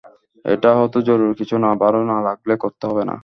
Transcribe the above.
এটা এতো জরুরী কিছু না, ভালো না লাগলে করতে হবে না।